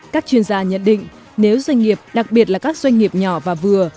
các chuyên gia nhận định nếu doanh nghiệp đặc biệt là các doanh nghiệp nhỏ và vừa